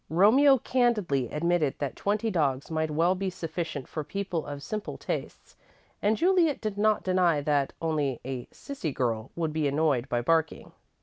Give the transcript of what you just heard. Romeo candidly admitted that twenty dogs might well be sufficient for people of simple tastes and Juliet did not deny that only a "sissy girl" would be annoyed by barking.